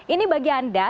ini bagi anda